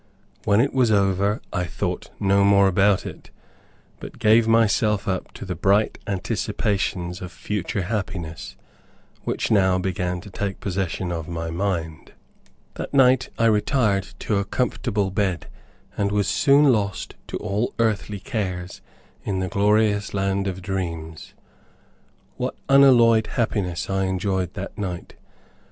When it was over I thought no more about it, but gave myself up to the bright anticipations of future happiness, which now began to take possession of my mind. That night I retired to a comfortable bed, and was soon lost to all earthly cares in the glorious land of dreams. What unalloyed happiness I enjoyed that night!